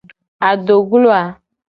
Adoglo a.